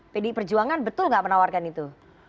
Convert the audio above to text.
pdi perjuangan betul nggak menawarkan itu